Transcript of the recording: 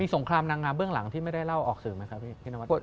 สงครามนางงามเบื้องหลังที่ไม่ได้เล่าออกสื่อไหมครับพี่นวัด